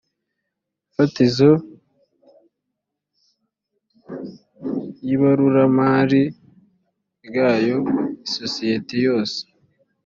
fatizo y ibaruramari ryayo isosiyete yose